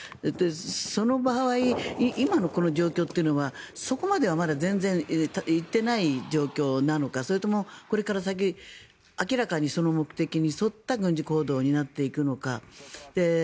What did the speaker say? その場合今のこの状況というのはそこまではまだ全然行っていない状況なのかそれとも、これから先明らかにその目的に沿った軍事行動になっていくのか。